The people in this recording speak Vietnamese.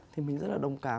thì mình rất là đồng cảm